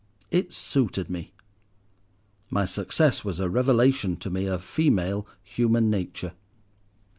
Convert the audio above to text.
It suited me. My success was a revelation to me of female human nature.